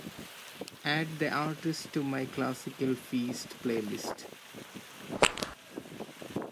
Add the artist to my classical feast playlist.